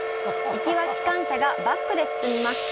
行きは機関車がバックで進みます。